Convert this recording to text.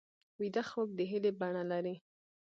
ویده خوب د هیلې بڼه لري